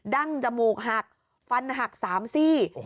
ั้งจมูกหักฟันหัก๓ซี่